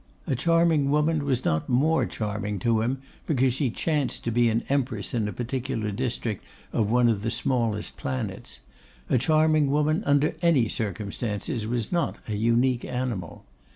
A charming woman was not more charming to him because she chanced to be an empress in a particular district of one of the smallest planets; a charming woman under any circumstances was not an unique animal.